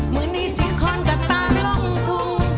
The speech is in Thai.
เมื่อนี้ซีคลอนกัตตาร้องพูด